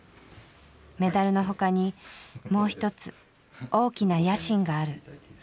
メダルのほかにもう一つ大きな野心がある。